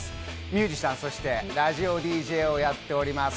ミュージシャン、そしてラジオＤＪをやっております。